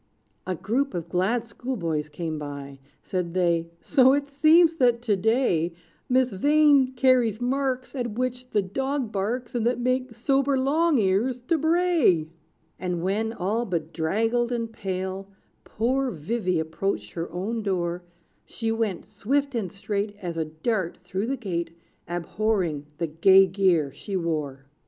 A group of glad schoolboys came by: Said they, "So it seems, that to day, Miss Vain carries marks At which the dog barks, And that make sober Long Ears to bray." And when, all bedraggled and pale, Poor Vivy approached her own door, She went, swift and straight As a dart, through the gate, Abhorring the gay gear she wore.